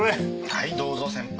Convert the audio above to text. はいどうぞ先輩。